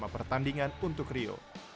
palingan untuk rio